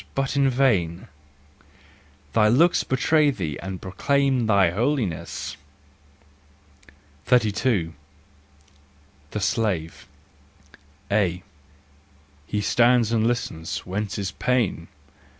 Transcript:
But in vain ! Thy looks betray thee And proclaim thy holiness. 32 . The Slave . A. He stands and listens: whence his pain